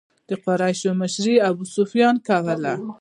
د قریشو مشري ابو سفیان کوله.